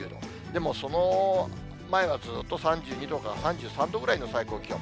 でもその前はずっと３２度から３３度ぐらいの最高気温。